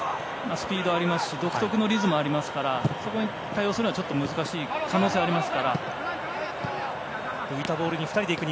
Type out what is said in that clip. スピードありますし独特のリズムがありますからそこに対応するのは難しい可能性があります。